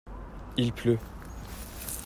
Il pleut.